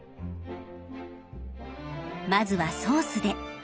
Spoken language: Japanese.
まずはソースで。